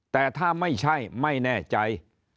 แต่ถ้าไม่ใช่ไม่แน่ใจ